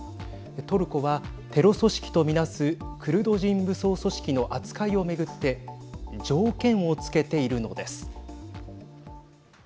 トルコはテロ組織と見なすクルド人武装組織の扱いを巡って条件をつけているのです。